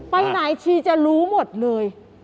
ไปไหนชีจะรู้หมดเลย